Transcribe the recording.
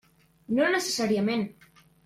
No necessàriament.